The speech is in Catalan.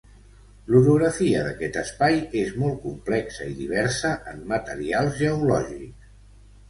L'orografia d'aquest Espai és molt complexa i diversa en materials geològics.